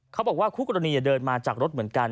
เขาบอกว่าคู่กรณีเดินมาจากรถเหมือนกัน